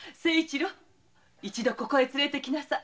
一度ここへ連れて来なさい。